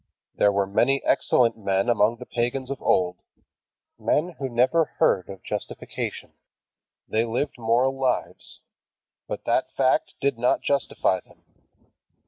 There were many excellent men among the pagans of old, men who never heard of justification. They lived moral lives. But that fact did not justify them.